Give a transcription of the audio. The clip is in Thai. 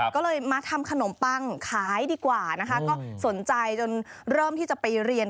ก็เลยมาทำขนมปังขายดีกว่านะคะก็สนใจจนเริ่มที่จะไปเรียน